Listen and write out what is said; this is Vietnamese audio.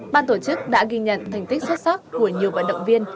ban tổ chức đã ghi nhận thành tích xuất sắc của nhiều vận động viên